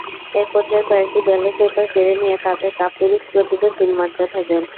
একপর্যায়ে কয়েকটি ballot paper কেড়ে নিয়ে তাতে কাপ-পিরিচ প্রতীকে সিল মারতে থাকেন।